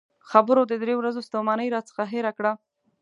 خبرو د درې ورځو ستومانۍ راڅخه هېره کړه.